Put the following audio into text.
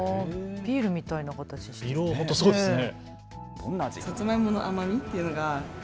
ビールみたいな形してますね。